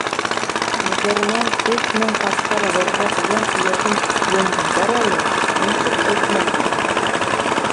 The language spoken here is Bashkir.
Үҙҙәренән өс мең тапкыр ҙурыраҡ йән эйәһен еңһендәр әле, нисек әйтмәҫһең!